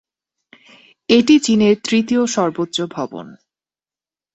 এটি চীনের তিতীয় সর্বোচ্চ ভবন।